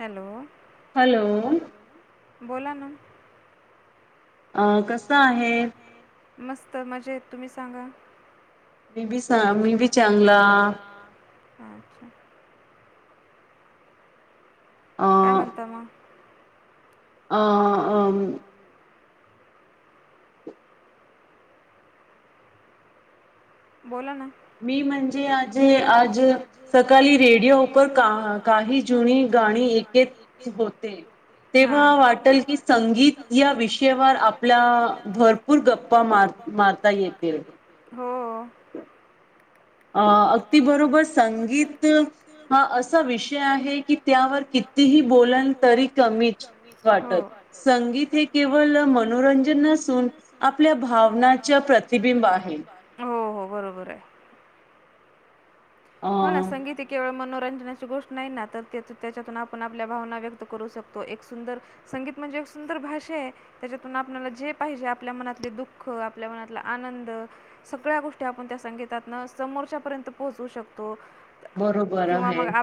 Hello. Hello बोला ना. अ कस आहे? मस्त मजेत. तुम्ही सांगा. मी बी चांग, मी बी चांगला. अच्छा. काय म्हणता मगं? अं अम बोला ना. मी म्हणजे आजे आज सकाली रेडिओपर का काही जुनी गा ऐकत होते. तेव्हा वाटल की, संगीत या विषयावर आपल्या भरपूर गप्पा मार मारता येतील. हो. अ अगदी बरोबर संगीत हा असा विषय आहे कि, त्यावर कितीही बोलाल तरी कमीच. हो वाटत संगीत हे केवल मनोरंजन नसून आपल्या भावनाचा प्रतिबिंब आहे. हो हो बरोबर आहे. हो ना संगीत हे केवळ मनो मनोरंजनाची गोष्ट नाही ना तर, त्या त्याच्यातून आपण आपल्या भावना व्यक्त करू शकतो. एक सुंदर संगीत म्हणजे एक सुंदर भाषा आहे. त्याच्यातून आपनाला जे पाहिजे आपल्या मनातले दुःख, आपल्या मनातला आनंद सगळ्या गोष्टी आपण त्या संगीतातन समोरच्या पर्यंत पोहचवू शकतो. तो बरोबर हाय.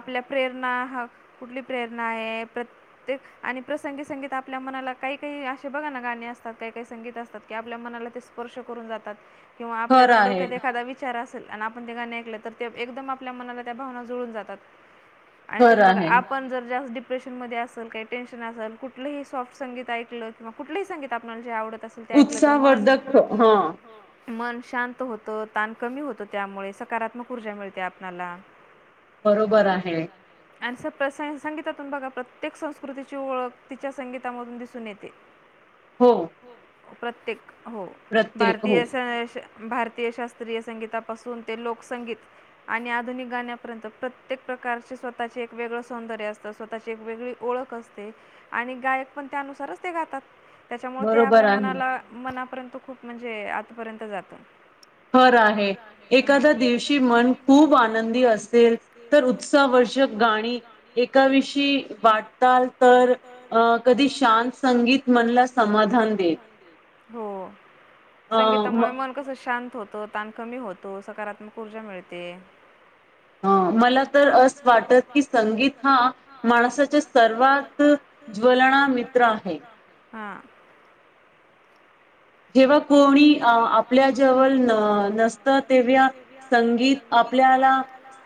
ना हा कुठली प्रेरणा आहे प्रत्येक आणि प्रसंगी संगीत आपल्या मनाला काही-काही अशे बघा ना गाणे असतात, काही काही संगीत असतात कि आपल्या मनाला ते स्पर्श करून जातात. किंवा आपल्या जर डोक्यात एखादा विचारा अस अन आपण ते गाणे ऐकलं तर ते एकदम आपल्या मनाला त्या भावना जुळून जातात. आणि तुम्ही बघा आपण जर जास्त डिप डीप्रेशनमध्ये असल काही टेनशन असल कुठलंही सॉफ्ट संगीत ऐकलं किंवा कुठलंही संगीत आपनाला जे आवडतं उत्साहवर्धक हम्म. मन शांत होतं ताण कमी होतं त्यामुळे सकारात्मक ऊर्जा मिळते आपणाला. बरोबर आहे. आणि संगीतातून बघा प्रत्येक संस्कृतीची ओळख तिच्या संगीतामधून दिसून येते. हो. प्रत्येक. हो भारतीय स. भारतीय शास्त्रीय संगीतापासून ते लोकसंगीत. आणि आधुनिक गाण्यापर्यंत प्रत्येक प्रकारचे स्वतःचे एक वेगळ सौंदर्य असतं, स्वतःची एक वेगळी ओळख असते, आणि गायक पण त्यानुसारच ते गातात. त्याच्यामुळे ते आपल्या मनाला मना. पर्यंत खूप म्हणजे आतपर्यंत जात. बर आहे एखाद्या दिवशी. दिवशी मन खूप आनंदी असेल तर, उत्साक गाणी एका तर कधी शांत संगीत मनाला समाधान देईल हो संगीतामुळे मन कस शांत. होतो, ताण कमी होतो, सकारात्मक. ऊर्जा मिळते. अं मला तर असं वाटत की संगीत हा माणसाच्या सर्वात ज्वलना मित्र आहे. हां जेव्हा कोणी आपल्या जवळ नसतं तेव्हा संगीत आपल्याला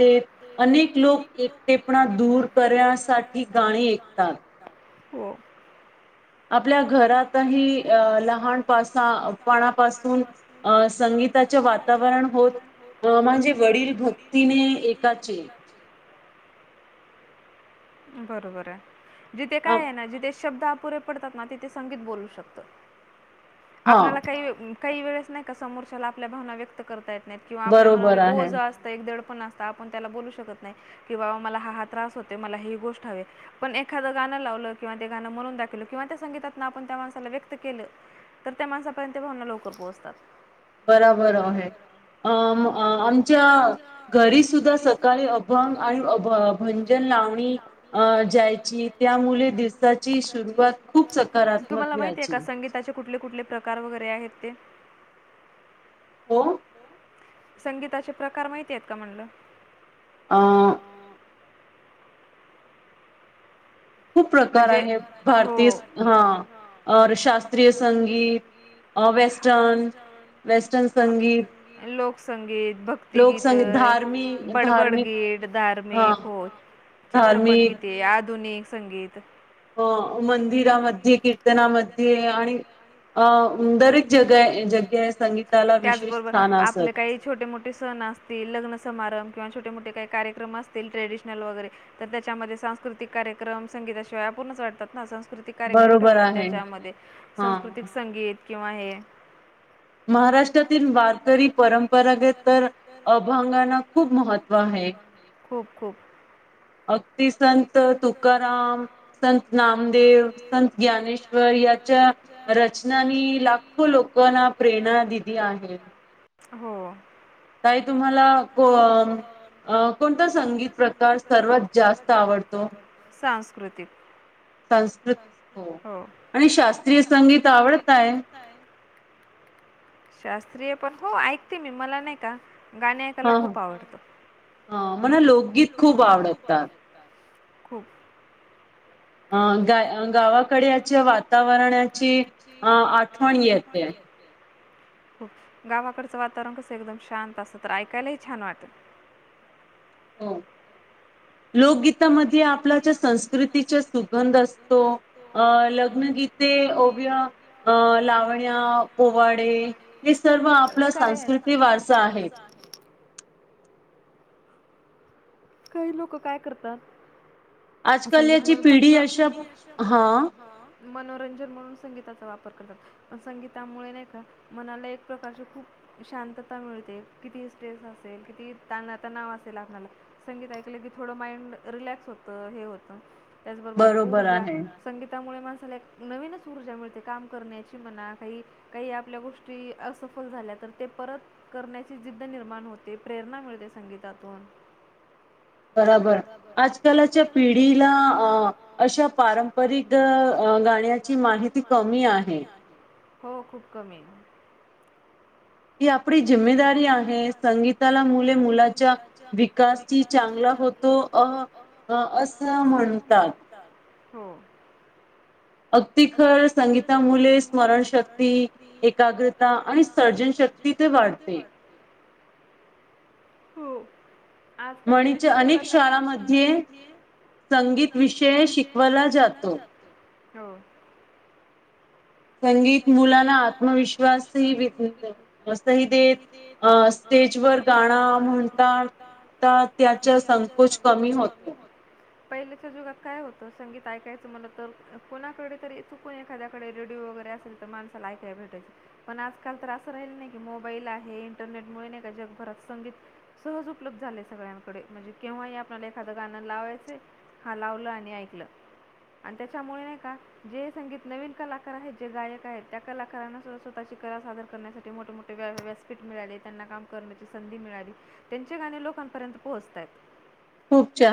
साथ देत अनेक लोक एकटेपणा दूर करण्यासाठी गाणी ऐकतात. हो. आपल्या घरातही अ लहानपसा पाणापासून अं संगीताचे वातावरण होत अ म्हणजे वडील भक्तीने एकाचे. बरोबर आहे. जिथे काय आहे ना जिथे शब्द आप. पुरे पडतात ना, तिथे संगीत बोलू शकतं. आपल्याला काही. काही वेळेस नाही का, समोरच्याला आपल्या भावना व्यक्त करता येत. नाही किंवा आपल्या मनावर एक ओझ असत एक दडपण. आपण त्याला बोलू पण शकत नाही, की बाबा मला हा त्रास होतोय मला. ही गोष्ट हवी पण एखादं गाणं लावलं किंवा ते गाणं म्हणून दाखवलं, किंवा त्या संगीतात ना आपण त्या माणसाला व्यक्त केलं तर त्या माणसापर्यंत भावना लवकर पोहोचतात. बरोबर आहे अ आमच्या घरी सुद्धा सकाळी अभंग आणि भंजन लाव. जायची त्यामुळे दिवसाची सुरवात खूप सकारात्मक व्हायची. कुठले-कुठले प्रकार वगैरे आहेत ते. हो. संगीताचे प्रकार माहिती आहेत का म्हणलं? अं. म्हणजे हो शास्त्रीय संगीत, वेस्टर्न-वेस्टर्न संगीत, लोकसंगीत, भक्तीगीत, बडबड गीत, धार्मिक हो चित्रपटगीते आधुनिक. संगीत. तर. हो मंदिरामध्ये. त्याचबरोबर आपले काही छोटे-मोठे सण असतील लग्न समारंभ. किंवा छोटे मोठे का कार्यक्रम असतील ट्रेडिशनल वगैरे तर त्याच्यामध्ये सांस्कृतिक कार्यक्रम संगीताशिवाय पूर्णच वाटतात ना संस्कृत. कार्यक्रम ठेवतात त्याच्यामध्ये सांस्कृतिक संगीत. किंवा हे. महाराष्ट्रातील वारकरी परंपरागत तर अभंगांना खूप महत्त्व आहे. खूप-खूप. अगदी संत तुकाराम, संत नामदेव. संत ज्ञानेश्वर याच्या रचनांनी लाखो लोकांना प्रेरणा दिली आहे. हो. ताई तुम्हाला कोणता संगीत प्रकार सर्वात जास्त आवडतो? सांस्कृतिक. हो आणि शास्त्रीय संगीत आवडतय. शास्त्रीय पण हो ऐकते मी मला नाही का हा ह हा मला लोकगीत खूप आवडतात. खूप अ गा गावाकडच्या वातावरणाची अं आठवण येते खूप गावाकडचं वातावरण कसं एकदम शांत असत तर ऐकायलाही छान वाटत. हम्म लोकगीतामध्ये आपल्याच्या संस्कृतीच्या सुगंध असतो अं लग्नगीते, ओव्या अं लावण्या ओवाडे हे सर्व आपला सांस्कृती वारसा आहे. काही लोक काय करतात. संगीत म्हणून फक्त मनोरंजन म्हणून संगीताचा वापर पण संगीतामुळे नाही का मनाला एक प्रकारची खूप शांतता मिळते किती स्टेस असेल किती ताणा तणाव असेल आपल्याला संगीत ऐकलं की थोडं माइंड रिलॅक्स होतं हे होत. त्याचबरोबर ऊर्जा संगीतामुळे मा नवीनच ऊर्जा मिळते काम करण्याची म्हणा काही काही आपल्या गोष्टी असफल झाल्या तर ते परत करण्याची जिद्द निर्माण होते प्रेरणा मिळते संगीतातून. बराबर आजकालाच्या पिढीला अ अशा पारंपरिक गाण्याची माहिती कमी आहे. हो खूप कमी आहे. ही आपली जिम्मेदारी आहे संगीताला मुले मुलाच्या विकास चांगला होतो अ असं म्हणतात. हो. अगदी खरं संगीतामुळे स्मरणशक्ती, एकाग्रता आणि सर्जनशक्ती ते वाढते. हो आजकाल डिजिटल युगात शाळामध्ये संगीत विषय शिकवला जातो. हो संगीत मुलांना आत्मविश्वासही, [unintelligible] असं ही ते अं स्टेजवर गाणं म्हणतात. आता त्याचा संकोच कमी होतो, पहिले ज [unintelligible] काय होतं संगीत ऐकायचं मला तर कोणाकडे तरी चुकून एखाद्याकडे रेडिओ वगैरे असेल तर काय काय होत संगीत ऐकायचं म्हणलं तर माणसाला ऐकायला भेटायच, पण आजकाल तर असं राहील नाही की मोबाईल आहे इंटरनेटमुळे नाही का जगभरात संगीत सहज उपलब्ध झाले. सगळ्यांकडे म्हणजे केव्हाही आपल्याला एखादं गाणं लावायचय, हा लावलं आणि ऐकलं आणि त्याच्यामुळे नाही का जे संगीत नवीन कलाकार आहेत, जे गायक आहेत, त्या कलाकारांना स्वतःची कला सादर करण्यासाठी मोठे मोठे व्यासपीठ मिळाले, त्यांना काम करण्याची संधी मिळाली, त्यांचे गाणे लोकां पर्यंत पोहोचतायत.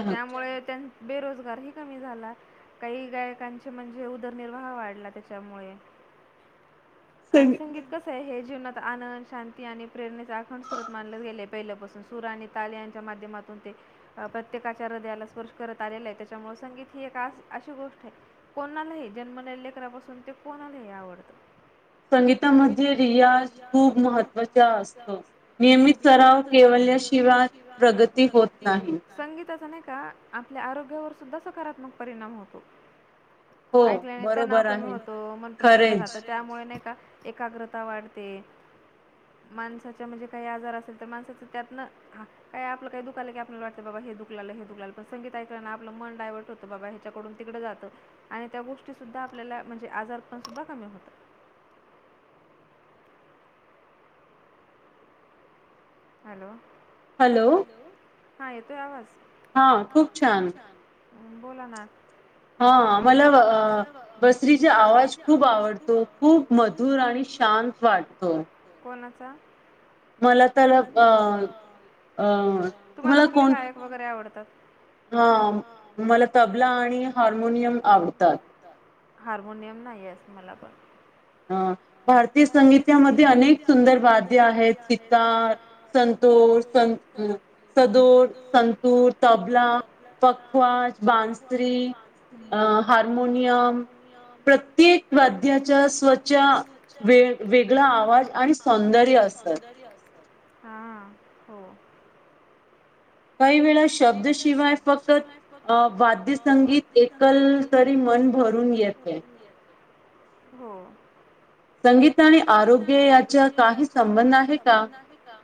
त्यामुळे त्यांना बेरोजगार ही कमी झाला काही गायकांचे म्हणजे उदरनिर्वाह वाढला त्याच्यामुळे. आणि संगीत कसंय हे जीवनात आनंद, शांती, आणि प्रेरणेचे अखंड स्रोत मानले गेले पहिल्यापासून सुर आणि ताल यानं ज्या माध्यमातून ते प्रत्येकाच्या हृदयाला स्पर्श करत आलेलं आहे त्याच्यामुळे संगीत ही एक अशी गोष्ट आहे कोणालाही जन्मले लेकरापासून ते कोणालाही आवडत. संगीतामध्ये रियाज खूप महत्वाचा असतो. नियमित सराव केवल्याशिवाय प्रगती प्रगती होत नाही, संगीत तस नाही का, आपल्या आरोग्यावर सुद्धा सकारात्मक परिणाम होतो. ऐकल्याने तनाव कमी होतो, मन प्रसन्न राहतं, त्यामुळे नाही का? एकाग्रता वाढते माणसाच्या म्हणजे काही आजार असेल तर माणसाच त्यातन काही आपलं काही दुखालं की आपल्याला वाटतं बाबा हे दुखलालं, हे दुखलालं पण संगीत ऐकल्याण आपलं मन डायवर्ट होतं बाबा ह्याच्याकडून तिकडे जातं आणि त्या गोष्टी सुुद्धा आपल्याला म्हणजे आजार पण सुद्धा कमी होत. हॅलो. हॅलो. हा, येतोय आवाज? हा, खूप छान. म्म, बोला ना? हा मला बघा, बासुरीचा आवाज खूप आवडतो, खूप मधुर आणि शांत वाटतो. का मला तर अ, अ, तुम्हाला कुठले गायक वगैरे आवडतात? हा मला तब्बला आणि हार्मोनियम आवडतात. हार्मोनियम नाही येत मला, पण. हा.. भारतीय संगीतामध्ये अनेक सुंदर वाद्य आहेत सितार, संतोर, स, सदोर, संतूर, तब्बला, पखवाज, बांसरी, अ हार्मोनियम प्रत्येक वाद्याच्या च्या वे वेगळा आवाज आणि सौंदर्य असत. हा, हो काही वेळा शब्दशिवाय फक्त अ वाद्यसंगीत ऐकलं तरी मन भरून येते. हो. संगीत आणि आरोग्य याचा काही संबंध आहे का?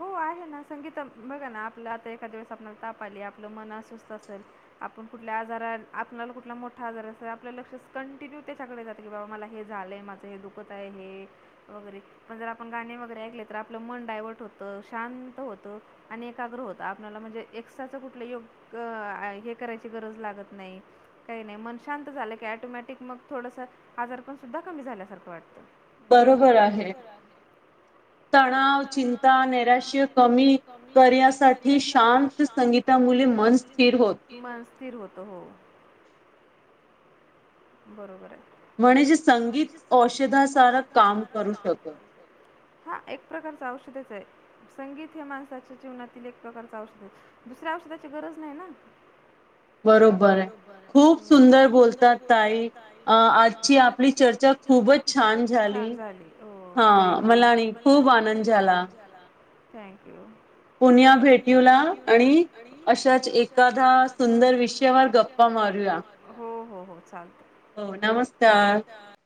हो, आहे ना. संगीत, बघा ना, आपलं आ एखाद्या वेळेस आपनाला ताप आला, आपलं मन अस्वस्थ असेल आपण कुठल्या आजारा आपनाला कुठला मोठा आजार असेल आपलं लक्ष कंटिन्यू त्याच्याकडे जातं की बाबा मला हे झालंय माझं हे दुखत आहे हे वगैरे पण जर आपण गाणे वगैरे ऐकले तर आपलं मन डायव्हर्ट होतं, शांत होतं, आणि एकाग्र होत. आपल्याला म्हणजे एकसाच कुठलं योग, आ.. हे करायची गरज लागत नाही. काही नाही. मन शांत झालं कीं, ऍटोमॅटिक मग थोडस आजारपन सुद्धा कमी झाल्यासारखं वाटत. बरोबर आहे. तणाव, चिंता, नैराश्य, कमी करण्यासाठी. यासाठी, शांत संगितामुळे मन स्थिर होत. हो. बरोबर हाय. म्हणे जे असं संगीत औषधासार काम करत. हा एक प्रकारचं औषधच हाय. तय. संगीत हे माणसाच्या जीवनात एक प्रकारच औषधच. दुसऱ्या औषधाची गरज नाही ना! बरोबर, खूप सुंदर बोलतात ताई. आजची आपली चर्चा खूपच छान झाली. हो, थँक यु मलाही खूप आनंद झाला. थँक्यू. पुन्या भेट्युला आनी, अशाच एखाद्या सुंदर विषयावर गप्पा मारूया. हो. नमस्कार.